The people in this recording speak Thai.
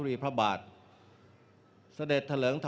เวรบัติสุภิกษ์